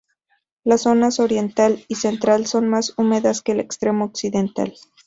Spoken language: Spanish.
Las zonas oriental y central son más húmedas que el extremo occidental.